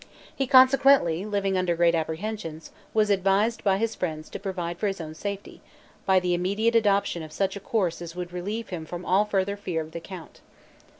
He consequently, living under great apprehensions, was advised by his friends to provide for his own safety, by the immediate adoption of such a course as would relieve him from all further fear of the count.